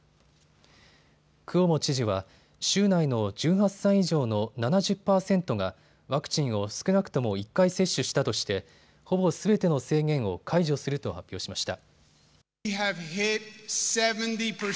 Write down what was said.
クオモ知事は州内の１８歳以上の７０％がワクチンを少なくとも１回接種したとしてほぼすべての制限を解除すると発表しました。